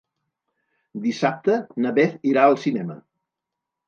Dissabte na Beth irà al cinema.